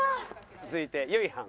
続いてゆいはん。